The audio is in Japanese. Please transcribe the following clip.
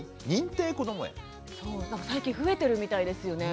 最近増えてるみたいですよね。